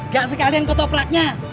gak sekalian kutopraknya